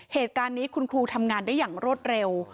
เหตุการณ์นี้คุณครูทำงานได้อย่างรวดเร็ว